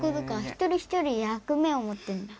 一人一人役目をもってんだ。